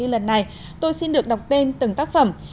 lần này tôi xin được đọc tên từng tác phẩm